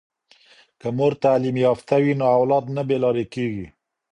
که مور تعلیم یافته وي نو اولاد نه بې لارې کیږي.